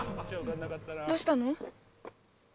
どうしたの？